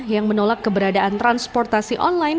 yang menolak keberadaan transportasi online